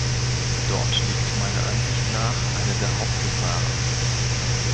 Dort liegt meiner Ansicht nach eine der Hauptgefahren.